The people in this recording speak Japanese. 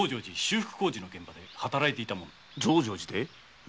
増上寺で？